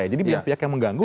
jadi biar pihak yang mengganggu